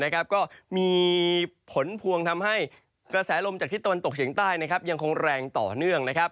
ก็มีผลพวงทำให้กระแสลมจากทิศตะวันตกเฉียงใต้ยังคงแรงต่อเนื่อง